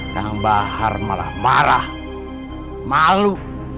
yang bahar malah marah malu